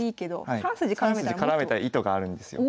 ３筋絡めた意図があるんですよ。